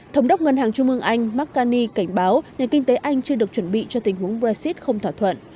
thống đốc ngân hàng trung ương anh mark carney cảnh báo nhà kinh tế anh chưa được chuẩn bị cho tình huống brexit không thỏa thuận